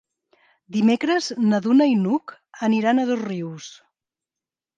Dimecres na Duna i n'Hug aniran a Dosrius.